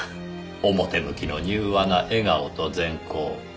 表向きの柔和な笑顔と善行。